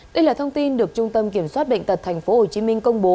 đây là thông tin được trung tâm kiểm soát bệnh tật thành phố hồ chí minh công bố